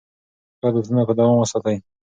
ښه عادتونه په دوام وساتئ.